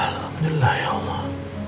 alhamdulillah ya allah